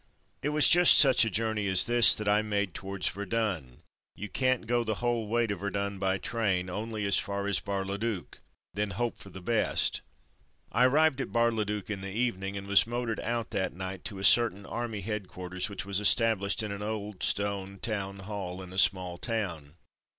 It was just such a journey as this that I made towards Verdun. You can't go the whole way to Verdun by train — only as far as Bar le duc — then hope for the best. I arrived at Bar le duc in the evening, and was motored out that night to a certain army headquarters which was established in an old stone town hall in a small town.